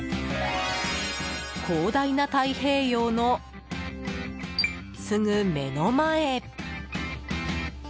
広大な太平洋のすぐ目の前。